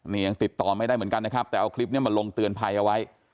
นี่ยังติดต่อไม่ได้เหมือนกันนะครับแต่เอาคลิปนี้มาลงเตือนภัยเอาไว้